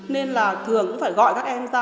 nên là thường cũng phải gọi các em ra